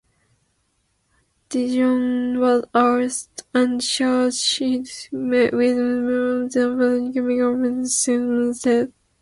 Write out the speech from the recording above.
De Jonge was arrested and charged with violating the State's criminal syndicalism statute.